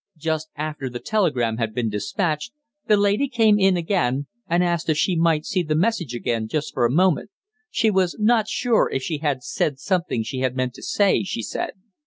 Just after the telegram had been despatched, the lady came in again and asked if she might see the message again just for a moment she was not sure if she had said something she had meant to say, she said.